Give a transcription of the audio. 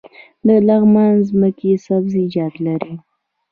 د لغمان ځمکې سبزیجات لري